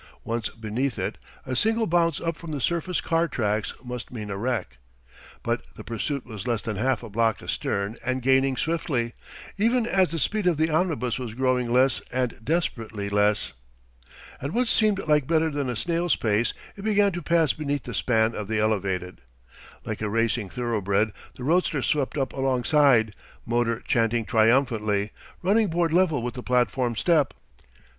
Once beneath it a single bounce up from the surface car tracks must mean a wreck. But the pursuit was less than half a block astern and gaining swiftly, even as the speed of the omnibus was growing less and desperately less. At what seemed little better than a snail's pace it began to pass beneath the span of the Elevated. Like a racing thoroughbred the roadster swept up alongside, motor chanting triumphantly, running board level with the platform step.